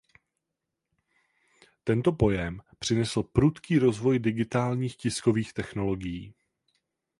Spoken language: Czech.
Tento pojem přinesl prudký rozvoj digitálních tiskových technologií.